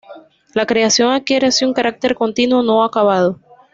La creación adquiere así un carácter continuo, no acabado.